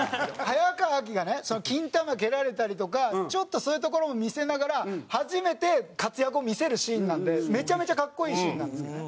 早川アキがねキンタマ蹴られたりとかちょっとそういうところを見せながら初めて活躍を見せるシーンなんでめちゃめちゃ格好いいシーンなんですけどね。